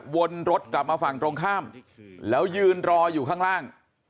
วนรถกลับมาฝั่งตรงข้ามแล้วยืนรออยู่ข้างล่าง